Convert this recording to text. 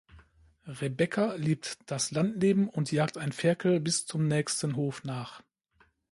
Rebecca liebt das Landleben und jagt ein Ferkel bis zum nächsten Hof nach.